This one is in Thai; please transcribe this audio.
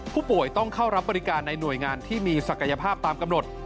ผู้ป่วยต้องเข้ารับบริการในหน่วยงานที่มีศักยภาพตามกำหนด